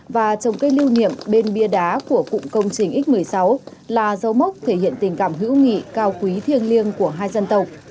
và trồng cây lưu niệm bên bia đá của cụm công trình x một mươi sáu là dấu mốc thể hiện tình cảm hữu nghị cao quý thiêng liêng của hai dân tộc